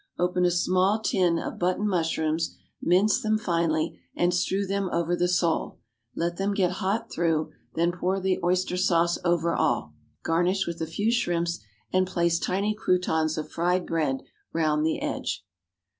Open a small tin of button mushrooms, mince them finely, and strew them over the sole, let them get hot through, then pour the oyster sauce over all. Garnish with a few shrimps, and place tiny croutons of fried bread round the edge.